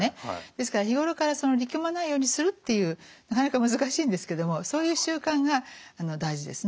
ですから日頃から力まないようにするっていうなかなか難しいんですけどもそういう習慣が大事ですね。